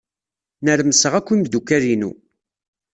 Nermseɣ akk imeddukal-inu.